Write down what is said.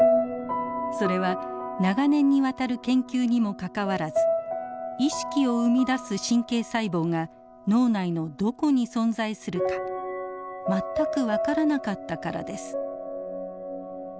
それは長年にわたる研究にもかかわらず意識を生み出す神経細胞が脳内のどこに存在するか全く分からなかったからです。